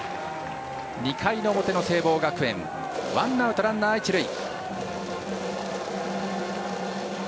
２回の表の聖望学園ワンアウトランナー、一塁。